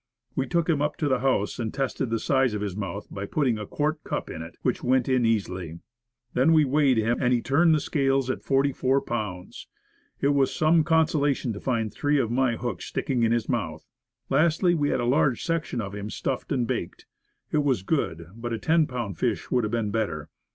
We took him up to the house and tested the size of his mouth by putting a quart cup in it, which went in easily. Then we 66 Woodcraft. weighed him, and he turned the scales at forty four pounds. It was some consolation to find three of my hooks sticking in his mouth. Lastly, we had a large section of him stuffed and baked. It was good; but a ten pound fish would have been better.